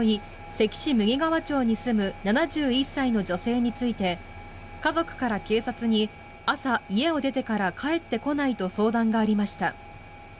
関市武芸川町に住む７１歳の女性について家族から警察に朝、家を出てから帰ってこないと相談がありました。